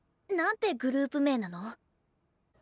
何てグループ名なの？